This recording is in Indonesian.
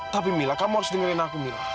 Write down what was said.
tapi mila kamu harus dengerin aku mila